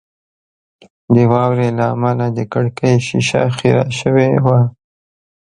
د واورې له امله د کړکۍ شیشه خیره شوې وه